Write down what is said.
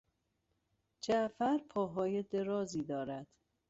جعفر پاهای درازی دارد.